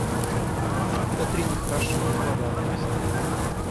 Да три не хороши, едва ли отдаст.